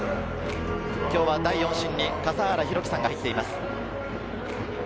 今日は第４審に笠原寛貴さんが入っています。